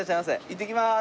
いってきます。